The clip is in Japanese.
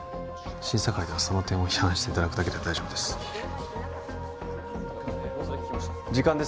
審査会ではその点を批判していただくだけで大丈夫です時間です